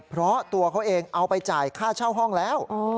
เพราะตัวเขาเองเอาไปจ่ายค่าเช่าห้องแล้ว